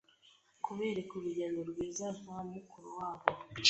kubereka urugero rwiza nka mukuru wabo,